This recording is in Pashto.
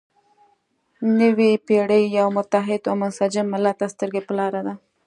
نوې پېړۍ یو متحد او منسجم ملت ته سترګې په لاره ده.